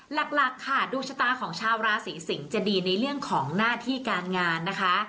หลักค่ะดวงชะตาของชาวราศีสิงศ์จะดีในเรื่องของหน้าที่การงานนะคะ